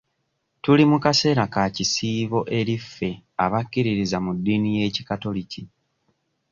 Tuli mu kaseera ka kisiibo eri ffe abakkiririza mu ddiini y'ekikatoliki.